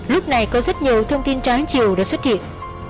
lúc này có rất nhiều thông tin trái chiều đã xuất hiện